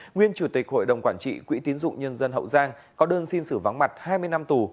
nguyên chủ tịch hội đồng quản trị quỹ tiến dụng nhân dân hậu giang có đơn xin xử vắng mặt hai mươi năm tù